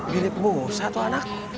mirip musa tuh anak